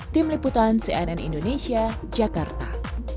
tim liputan cnn indonesia jakarta